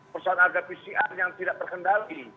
persoalan harga pcr yang tidak terkendali